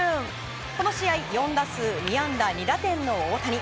この試合４打数２安打２打点の大谷。